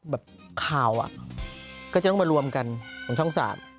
แบบข่าวอ่ะก็จะต้องมารวมกันของช่อง๓